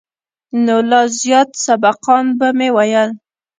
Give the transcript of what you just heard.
نو لا زيات سبقان به مې ويل.